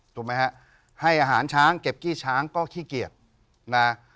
ถูกไหมฮะให้อาหารช้างเก็บขี้ช้างก็ขี้เกียจนะ